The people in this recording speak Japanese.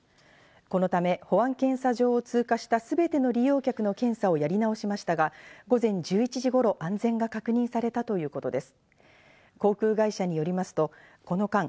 このため、保安検査場を通過したすべての利用客の検査をやり直しましたが、午前１１時頃、安全が確認されたということです。